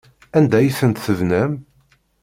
Anda ay tent-tebnam?